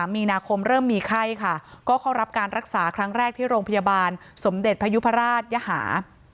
มีนาคมเริ่มมีไข้ค่ะก็เข้ารับการรักษาครั้งแรกที่โรงพยาบาลสมเด็จพยุพราชยหา